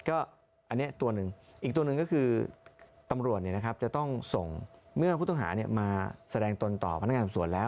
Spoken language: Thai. ก็อันนี้ตัวหนึ่งอีกตัวหนึ่งก็คือตำรวจจะต้องส่งเมื่อผู้ต้องหามาแสดงตนต่อพนักงานสวนแล้ว